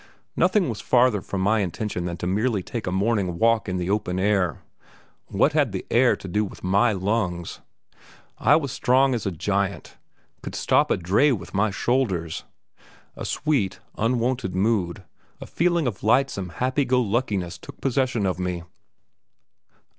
Nothing was farther from my intention than to merely take a morning walk in the open air. What had the air to do with my lungs? I was strong as a giant; could stop a dray with my shoulders. A sweet, unwonted mood, a feeling of lightsome happy go luckiness took possession of me.